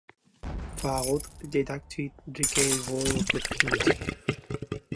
Poirot deduced the key role of the painting.